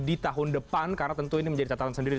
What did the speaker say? di tahun depan karena tentu ini menjadi catatan sendiri